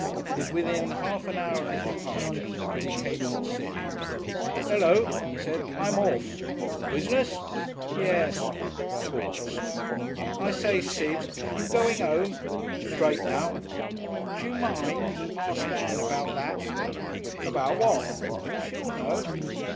It was within half an hour of his departure that he came on Sid. "Hello!" he said; "I'm orf!" "Business?" "Yes." Pause. "I say, Sid. You going 'ome?" "Straight now." "D'you mind? Ask Ann about that." "About what?" "She'll know."